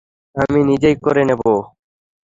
আমি নিজেই করে নেবো।